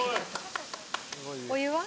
お湯は？